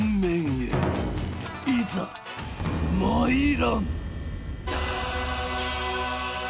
へいざ参らん。